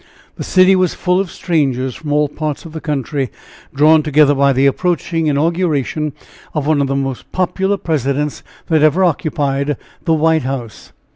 The city was full of strangers from all parts of the country, drawn together by the approaching inauguration of one of the most popular Presidents that ever occupied the White House.